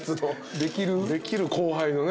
できる後輩のね。